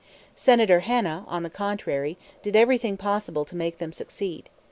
Senator Hanna, on the contrary, did everything possible to make them succeed.